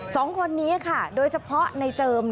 สองคนนี้ค่ะโดยเฉพาะในเจิม